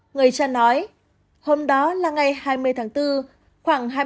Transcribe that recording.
người cha nói hôm đó là ngày hai mươi tháng bốn khoảng hai mươi một h bốn mươi năm